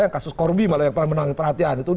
kasus korbi malah yang pernah menangani perhatian